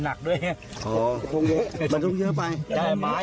ภารกิจของหลวงศูภารกิจของพระสงแตรละรูปไม่ธรรมดา